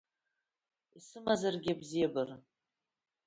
Исымазаргьы абзиабара…